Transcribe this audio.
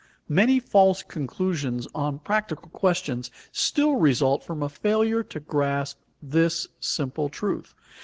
Many false conclusions on practical questions still result from a failure to grasp this simple truth.